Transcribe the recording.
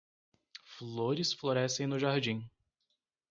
Flores florescem no jardim.